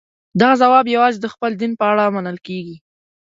دغه ځواب یوازې د خپل دین په اړه منل کېږي.